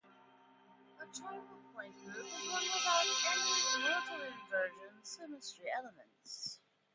A chiral point group is one without any rotoinversion symmetry elements.